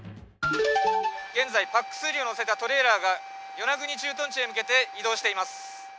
現在ＰＡＣ３を載せたトレーラーが与那国駐屯地へ向けて移動しています。